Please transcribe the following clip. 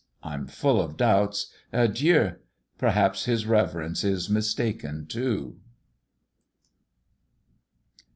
I'm full of doubts: Adieu! Perhaps his reverence is mistaken too."